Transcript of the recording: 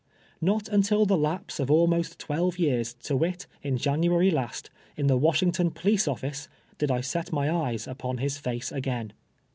iNot until the lapse of almost twelve years, to M'it, in January last, in the AVashingtou police ollice, did I Bct my eyes upon his face again.